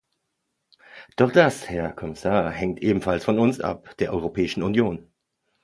Doch das, Herr Kommissar, hängt ebenfalls von uns ab, der Europäischen Union.